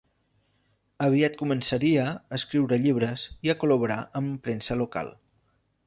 Aviat començaria a escriure llibres i a col·laborar amb premsa local.